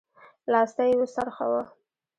لاستی يې وڅرخوه.